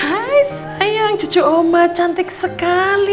hai sayang cucu omah cantik sekali